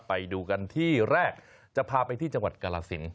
ไปดูกันที่แรกจะพาไปที่จังหวัดกรสิน